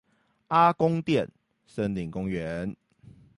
阿公店森林公園